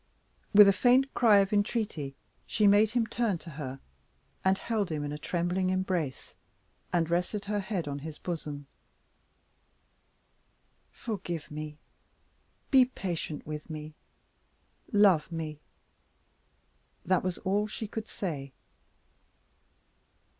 With a faint cry of entreaty she made him turn to her, and held him in a trembling embrace, and rested her head on his bosom. "Forgive me be patient with me love me." That was all she could say.